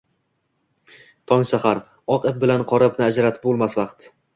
Tong sahar — oq ip bilan qora ipni ajratib bo‘lmas vaqt.